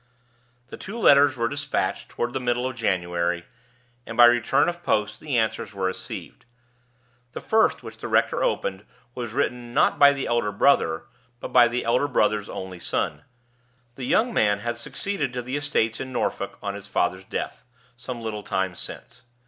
The two letters were dispatched toward the middle of January, and by return of post the answers were received. The first which the rector opened was written not by the elder brother, but by the elder brother's only son. The young man had succeeded to the estates in Norfolk on his father's death, some little time since.